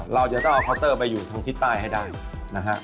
เราจะต้องเอาเคาน์เตอร์ไปอยู่ทางทิศใต้ให้ได้นะฮะ